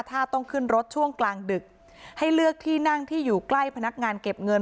ถ้าต้องขึ้นรถช่วงกลางดึกให้เลือกที่นั่งที่อยู่ใกล้พนักงานเก็บเงิน